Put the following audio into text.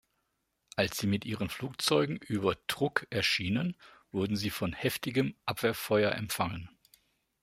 Als sie mit ihren Flugzeugen über Truk erschienen, wurden sie von heftigem Abwehrfeuer empfangen.